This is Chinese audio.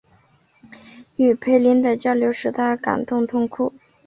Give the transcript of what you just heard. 与斐琳的交流使他感动痛哭。